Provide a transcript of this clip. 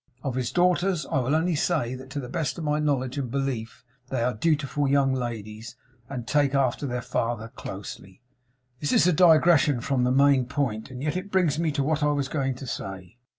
Of his daughters I will only say that, to the best of my knowledge and belief, they are dutiful young ladies, and take after their father closely. This is a digression from the main point, and yet it brings me to what I was going to say.